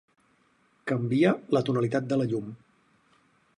Canvia la tonalitat de la llum.